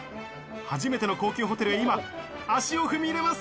初めての高級ホテルへ今、足を踏み入れます。